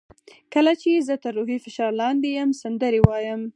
کله چې زه تر روحي فشار لاندې یم سندرې وایم.